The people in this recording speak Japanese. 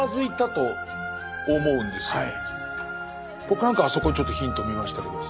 僕なんかはあそこにちょっとヒントを見ましたけど。